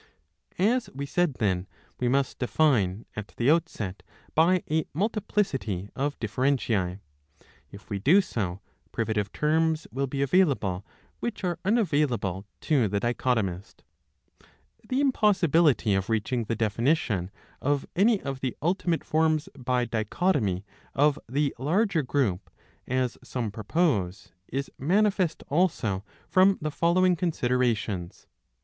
As we said then, we must define at the outset by a multi plicity of differentiae. If we do so, privative terms will be available, which are unavailable to the dichotomist. 643 b. 14 1. 3—1 4 The impossibility of reaching the definition of any of the ultimate forms by dichotomy of the larger group, as some ' propose, is manifest also from the following considerations.